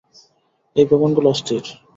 এই ভবনগুলো অস্থির।